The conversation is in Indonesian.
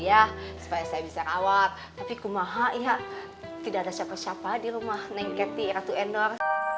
ya supaya saya bisa rawat tapi kumaha ya tidak ada siapa siapa di rumah nengketi ratu endor